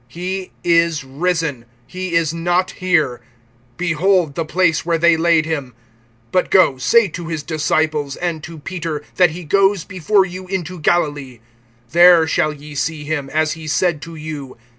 He is risen; he is not here. Behold the place where they laid him. (7)But go, say to his disciples, and to Peter, that he goes before you into Galilee. There shall ye see him, as he said to you.